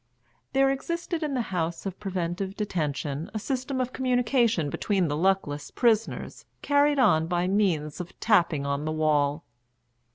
There existed in the House of Preventive Detention a system of communication between the luckless prisoners carried on by means of tapping on the wall.